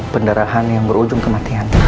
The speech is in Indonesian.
pendarahan yang berujung kematian